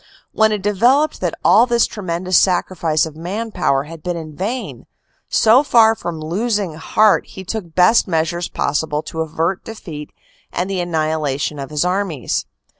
When it developed that all this tremendous sacrifice of man power had been in vain, so far from losing heart he took best measures possible to avert defeat and the annihilation of his armies.